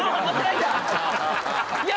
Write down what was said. いや